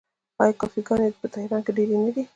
آیا کافې ګانې په تهران کې ډیرې نه دي؟